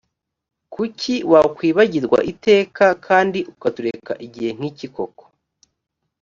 kuki watwibagirwa iteka kandi ukatureka igihe nkiki koko?